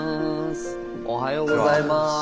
おはようございます。